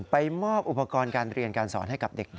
มอบอุปกรณ์การเรียนการสอนให้กับเด็ก